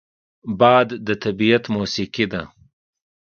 باد د طبیعت موسیقي ده